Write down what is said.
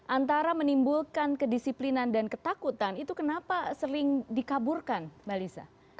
antara menimbulkan kedisiplinan dan ketakutan itu kenapa sering dikaburkan mbak lisa